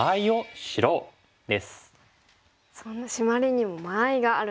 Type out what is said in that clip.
そんなシマリにも間合いがあるんですね。